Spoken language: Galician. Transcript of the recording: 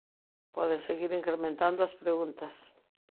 Poden seguir incrementando as preguntas.